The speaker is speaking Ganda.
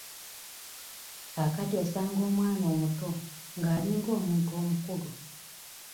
Kaakati osanga omwana omuto nga alinga omuntu omukulu.